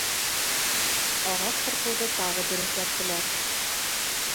Ағас ҡырҡыуҙы тағы дөрөҫләттеләр.